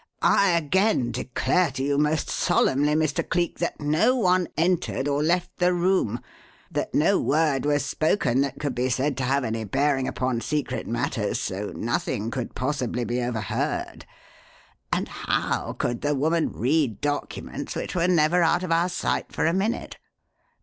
"I again declare to you most solemnly, Mr. Cleek, that no one entered or left the room, that no word was spoken that could be said to have any bearing upon secret matters, so nothing could possibly be overheard; and how could the woman read documents which were never out of our sight for a minute?